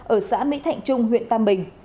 ở xã mỹ thạnh trung huyện tam bình